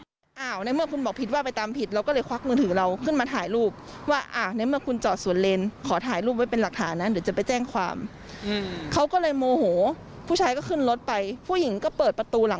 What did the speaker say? หน้าชาใจเสียมากรู้สึกเฟลวเพราะเราป่วยเป็นซึมเศร้า